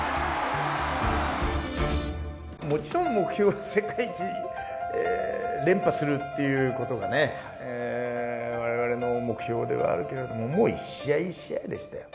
もちろん目標は世界一連覇するっていう事がね我々の目標ではあるけれどももう１試合１試合でしたよ。